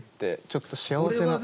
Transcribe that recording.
ちょっと幸せな。